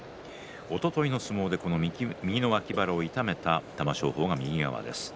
おとといの相撲で右の脇腹を痛めた玉正鳳が右側です。